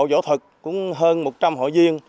võ thực cũng hơn một trăm linh hội viên